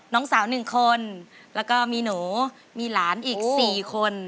น้องสาวหนึ่งคนแล้วก็มีหนูมีหลานอีกสี่คน